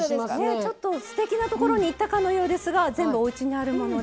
ちょっとすてきなところに行ったかのようですが全部おうちにあるもので。